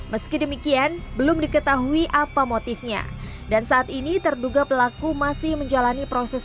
meski demikian belum diketahui apa motifnya dan saat ini terduga pelaku masih menjalani proses